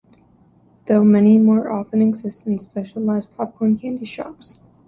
Though many more often exist in specialized popcorn candy shops.